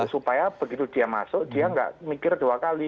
supaya begitu dia masuk dia nggak mikir dua kali